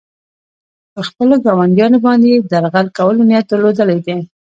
پر خپلو ګاونډیانو باندې یې د یرغل کولو نیت درلودلی دی.